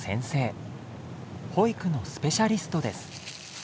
保育のスペシャリストです。